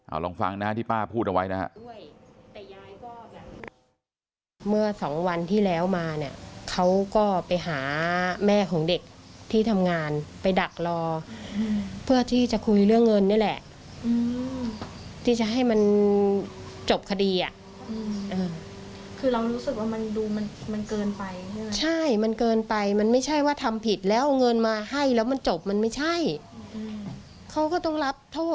เอาลองฟังนะฮะที่ป้าพูดเอาไว้นะฮะ